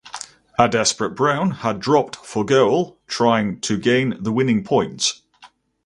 A desperate Brown had dropped for goal trying to gain the winning points.